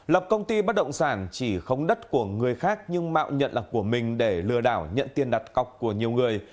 lập công ty bất động sản chỉ không đất của người khác nhưng mạo nhận là của mình để lừa đảo nhận tiền đặt cọc của nhiều người